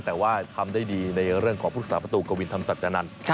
แต่ว่าทำได้ดีในเรื่องของภูมิศาสตร์ประตูกับวินธรรมศักดิ์จนันทร์